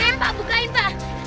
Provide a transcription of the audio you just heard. iya pak bukain pak